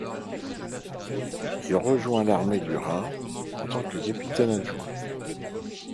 Il rejoint l'armée du Rhin en tant que capitaine adjoint.